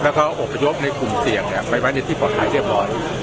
แล้วก็อบยกของกลุ่มเสียงเนี้ยไปไว้ในที่บอดหายเรียบร้อย